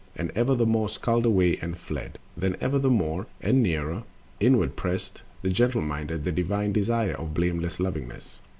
And ever the more skulked away and fled, Then ever the more, and nearer, inward pressed The gentle minded, the divine Desire Of blameless Lovingness.